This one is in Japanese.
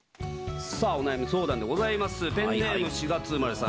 お悩み相談でございます。